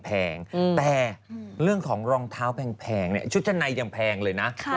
แต่เรื่องของรองเท้าแพงชุดชั้นในยังแพงเลยนะ